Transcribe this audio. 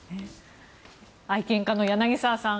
愛犬家の柳澤さん